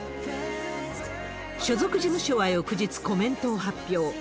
所属事務所は翌日、コメントを発表。